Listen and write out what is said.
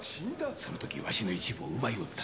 その時わしの一部を奪いおった